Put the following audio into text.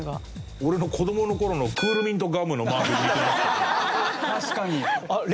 俺の子供の頃のクールミントガムのマークに似てますけど。